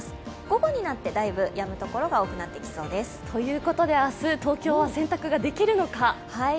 午後になってだいぶやむ所が多くなってきそうです。ということで、明日、東京は洗濯ができるのか。